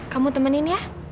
kamu temenin ya